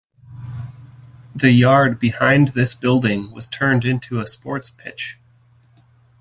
The yard behind this building was turned into a sports pitch.